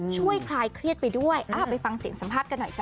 ช่วยคลายเครียดไปด้วยอ้าวไปฟังเสียงสัมภาษณ์กันหน่อยค่ะ